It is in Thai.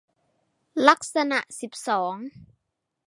ลักษณะสิบสอง